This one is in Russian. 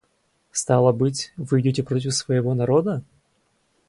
Стало быть, вы идете против своего народа?